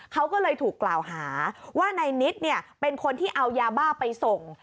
เขาก็เลยถูกกล่าวหาว่านายนิดเนี่ยเป็นคนที่เอายาบ้าไปส่ง